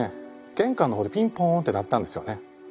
玄関の方でピンポーンって鳴ったんですよね。